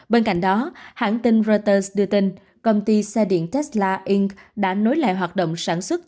bên cạnh đó hãng tin reuters đưa tin công ty xe điện tesla inch đã nối lại hoạt động sản xuất